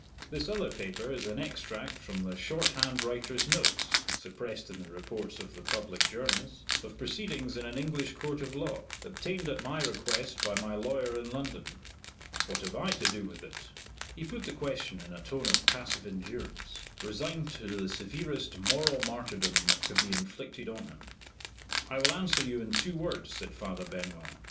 "This other paper is an extract from the short hand writer's notes (suppressed in the reports of the public journals) of proceedings in an English court of law, obtained at my request by my lawyer in London." "What have I to do with it?" He put the question in a tone of passive endurance resigned to the severest moral martyrdom that could be inflicted on him. "I will answer you in two words," said Father Benwell.